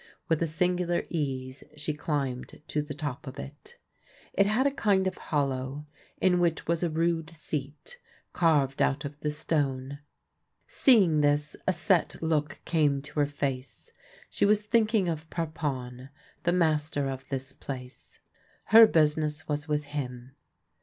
With a singular ease she climbed to the top of it. It had a kind of hollow, in which was a rude seat, carved out of the stone. Seeing this, a set look came to her face: she was thinking of Parpon, the master of this place. Her business was with him.